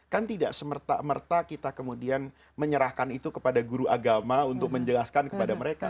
kan tidak semerta merta kita kemudian menyerahkan itu kepada guru agama untuk menjelaskan kepada mereka